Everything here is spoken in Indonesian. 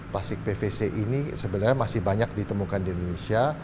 plastik pvc ini sebenarnya masih banyak ditemukan di indonesia